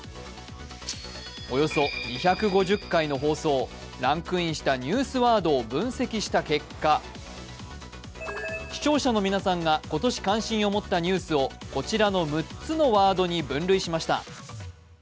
およそ２５０回の放送、ランクインしたニュースワードを分析した結果視聴者の皆さんが今年関心を持ったニュースをこちらの６つのワードに分類しました。